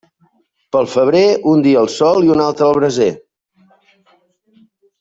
Pel febrer, un dia al sol i un altre al braser.